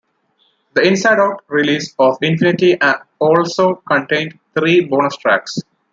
The InsideOut release of "Infinity" also contained three bonus tracks.